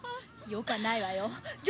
よくないわよ！